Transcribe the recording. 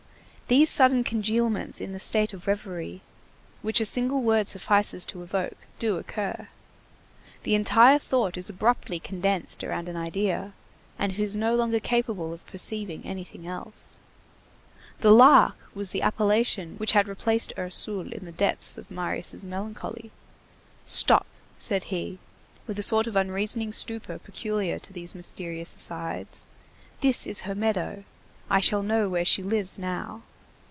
These sudden congealments in the state of reverie, which a single word suffices to evoke, do occur. The entire thought is abruptly condensed around an idea, and it is no longer capable of perceiving anything else. The Lark was the appellation which had replaced Ursule in the depths of Marius' melancholy.—"Stop," said he with a sort of unreasoning stupor peculiar to these mysterious asides, "this is her meadow. I shall know where she lives now."